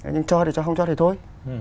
nhưng cho thì cho không cho thì thôi